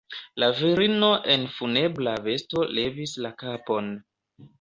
La virino en funebra vesto levis la kapon.